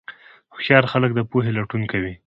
هوښیار خلک د پوهې لټون کوي.